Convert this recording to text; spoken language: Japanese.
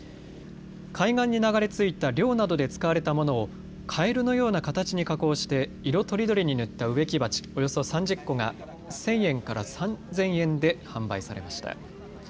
海岸に流れ着いた漁などで使われたものをカエルのような形に加工して色とりどりに塗った植木鉢、およそ３０個が１０００円から３０００円で販売されました。